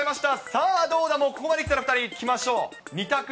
さあ、どうだ、もうここまできたら２人、いきましょう。